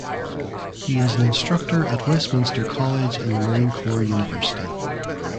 He is an instructor at Westminster College and the Marine Corps University.